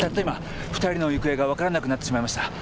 今２人の行方が分からなくなってしまいました。